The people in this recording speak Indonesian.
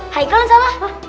haikal yang salah